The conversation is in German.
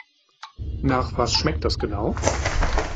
Nach was schmeckt das genau?